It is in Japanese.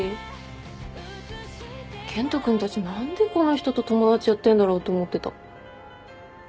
健人君たち何でこの人と友達やってんだろうと思ってた。